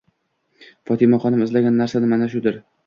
Fotimaxonim izlagan narsa mana shudir.